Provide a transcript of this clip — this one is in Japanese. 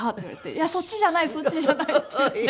「いやそっちじゃないそっちじゃない」って言って。